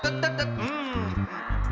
lu leper semua